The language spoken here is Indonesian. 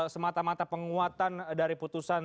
semata mata penguatan dari putusan